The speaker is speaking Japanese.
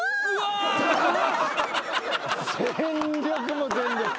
全力も全力。